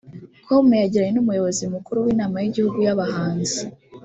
com yagiranye n'umuyobozi mukuru w'inama y'igihugu y'abahanzi